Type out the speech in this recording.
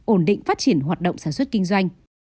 ổn định phát triển hoạt động sản xuất kinh doanh